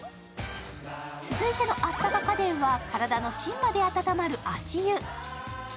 続いてのあったか家電は体の芯まで温まる足湯。